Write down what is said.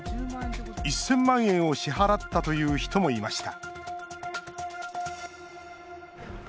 １０００万円を支払ったという人もいました